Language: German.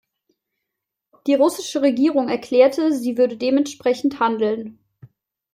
Die russische Regierung erklärte, sie würde dementsprechend handeln.